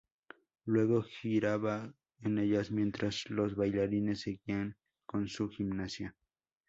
Luego, giraba en ellas mientras los bailarines seguían con su gimnasia.